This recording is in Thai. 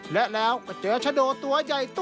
และแล้วก็เจอชโดตัวใหญ่ตัวนี้ล่ะครับ